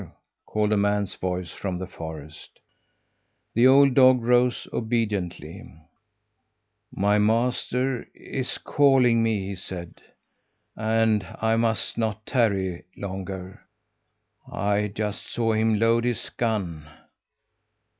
called a man's voice from the forest. The old dog rose obediently. "My master is calling me," he said, "and I must not tarry longer. I just saw him load his gun.